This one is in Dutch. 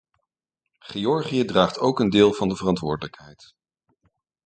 Georgië draagt ook een deel van de verantwoordelijkheid.